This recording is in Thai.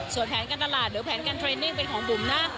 ส่วนแผนการตลาดหรือแผนการเทรนนิ่งเป็นของบุ๋มนะ